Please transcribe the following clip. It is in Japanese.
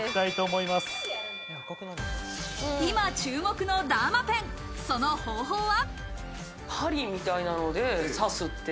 今注目のダーマペン、その方法は？